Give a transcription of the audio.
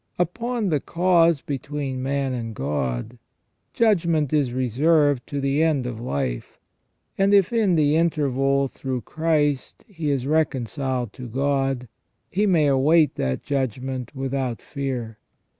Upon the cause between man and God, judgment is reserved to the end of life ; and if in the interval through Christ he is reconciled to God, he may await that judgment without fear.